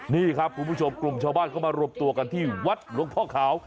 นี่ครับคุณผู้ชมกลุ่มชาวบ้านเข้ามารวบตัวกันที่วัดหลวงพ่อขาว